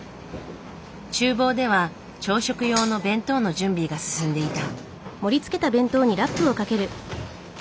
厨房では朝食用の弁当の準備が進んでいた。